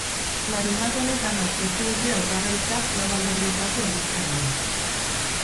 Larunbat honetan aurkeztu dute hautagaitza lau alderdietako ordezkariek.